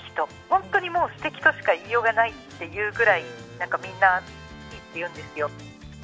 本当に素敵としか言いようがないというぐらい何か、みんないいって言うんですよ。